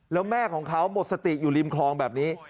แล้วแม่ของเขาหมดสติอยู่ริมคลองแบบนี้